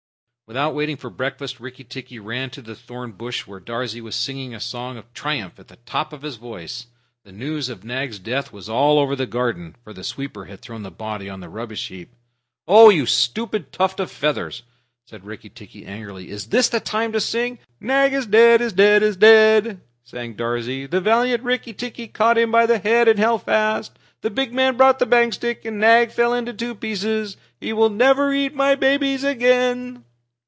Without waiting for breakfast, Rikki tikki ran to the thornbush where Darzee was singing a song of triumph at the top of his voice. The news of Nag's death was all over the garden, for the sweeper had thrown the body on the rubbish heap. "Oh, you stupid tuft of feathers!" said Rikki tikki angrily. "Is this the time to sing?" "Nag is dead is dead is dead!" sang Darzee. "The valiant Rikki tikki caught him by the head and held fast. The big man brought the bang stick, and Nag fell in two pieces! He will never eat my babies again."